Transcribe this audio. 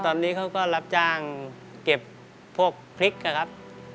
ตอนนี้เขาก็รับจ้างเก็บพวกพริกนะครับ